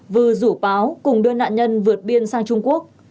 vừ rủ páo cùng đưa nạn nhân vượt biên sang trung quốc